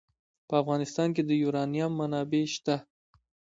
په افغانستان کې د یورانیم منابع شته.